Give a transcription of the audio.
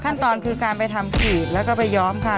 ขั้นตอนคือการไปทำขีดแล้วก็ไปย้อมค่ะ